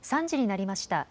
３時になりました。